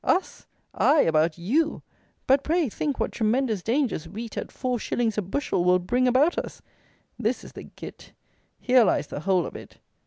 "Us!" Aye, about you; but pray think what tremendous dangers wheat at four shillings a bushel will bring about us! This is the git. Here lies the whole of it.